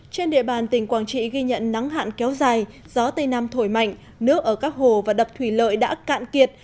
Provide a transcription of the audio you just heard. trên địa bàn tỉnh quảng trị ghi nhận nắng hạn kéo dài gió tây nam thổi mạnh nước ở các hồ và đập thủy lợi đã cạn kiệt